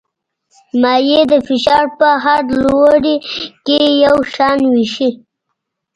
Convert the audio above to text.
مایع د فشار په هر لوري کې یو شان وېشي.